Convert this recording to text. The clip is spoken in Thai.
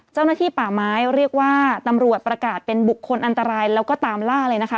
เจ้าหน้าที่ป่าไม้เรียกว่าตำรวจประกาศเป็นบุคคลอันตรายแล้วก็ตามล่าเลยนะคะ